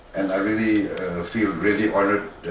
kedua duanya berharap bisa melanjutkan kerjasama antar kedua negara